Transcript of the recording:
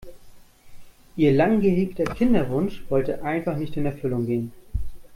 Ihr lang gehegter Kinderwunsch wollte einfach nicht in Erfüllung gehen.